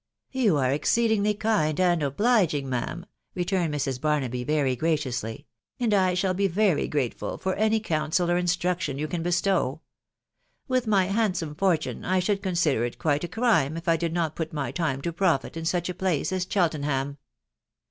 " You are exceedingly kind and obliging, ma'am," returned Mrs. Barnaby very graciously ;" and I shall be very grateful for any counsel or instruction you can bestow. With my handsome fortune I should consider it quite a crime if I did not put my time to profit in such a place as Cheltenham.'